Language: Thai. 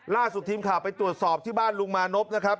ล่าสุดทีมข่าวไปตรวจสอบที่บ้านลุงมานพนะครับ